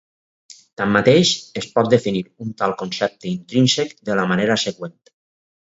Tanmateix, es pot definir un tal concepte intrínsec de la manera següent.